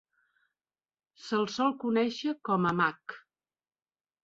Se'l sol conèixer com a "Mac".